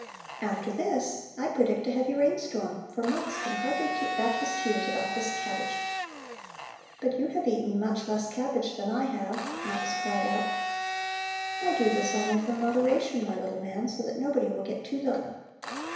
After this I predict a heavy rainstorm, for Mux can hardly keep back his tears about this cabbage." "But you have eaten much less cabbage than I have," Mux cried out. "I do this only from moderation, my little man, so that nobody will get too little."